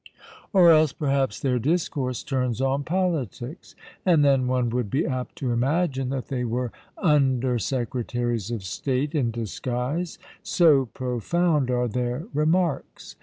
Or else, perhaps, their discourse turns on politics; and, then, one would be apt to imagine that they were Under Secretaries of State in disguise, so profound are their remarks!